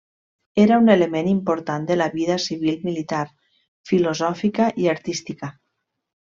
Era un element important de la vida civil, militar, filosòfica i artística.